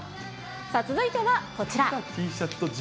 さあ、続いてはこちら。